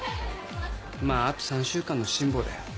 まああと３週間の辛抱だよ。